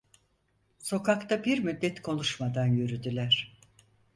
Sokakta bir müddet konuşmadan yürüdüler.